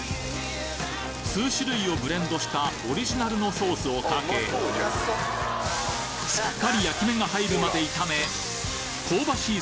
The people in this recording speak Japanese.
数種類をブレンドしたオリジナルのソースをかけしっかり焼き目が入るまで炒め香ばしい